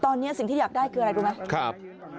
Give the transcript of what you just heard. ตอนนี้สิ่งที่อยากได้คืออะไรรู้ไหม